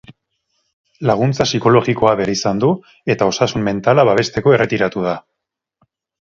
Laguntza psikologikoa behar izan du, eta osasun mentala babesteko erretiratu da.